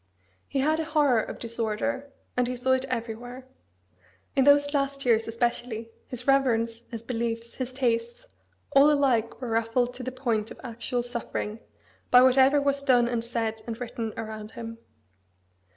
He had a horror of disorder; and he saw it everywhere. In those last years, especially, his reverence, his beliefs, his tastes, all alike were ruffled to the point of actual suffering, by whatever was done and said and written around him.